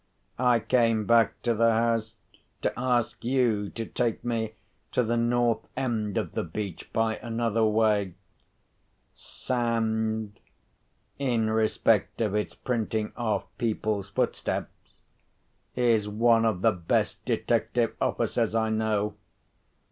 I came back to the house to ask you to take me to the north end of the beach by another way. Sand—in respect of its printing off people's footsteps—is one of the best detective officers I know.